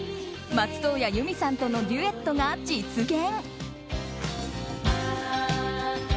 松任谷由実さんとのデュエットが実現。